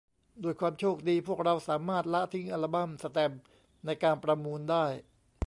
ด้วยความโชคดี พวกเราสามารถละทิ้งอัลบั้มแสตมป์ในการประมูลได้